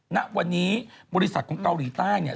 นะวันนี้บริษัทของเกาหลีใต้